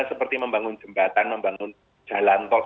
seperti membangun jembatan membangun jalan tol